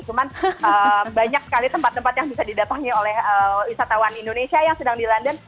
cuman banyak sekali tempat tempat yang bisa didatangi oleh wisatawan indonesia yang sedang di london